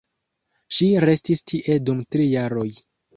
Ŝi restis tie dum tri jaroj.